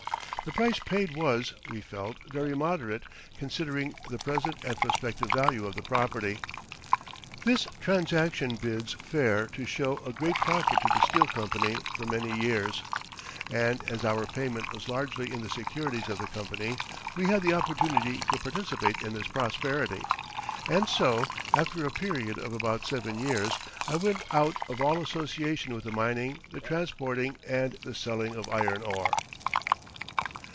The price paid was, we felt, very moderate considering the present and prospective value of the property. This transaction bids fair to show a great profit to the Steel Company for many years, and as our payment was largely in the securities of the company we had the opportunity to participate in this prosperity. And so, after a period of about seven years, I went out of all association with the mining, the transporting, and the selling of iron ore.